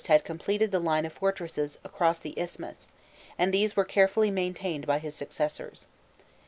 had completed the line of fortresses across the isthmus, and these were carefully maintained by his successors.